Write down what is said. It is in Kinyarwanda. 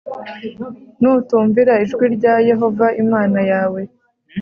nutumvira ijwi rya yehova imana yawe,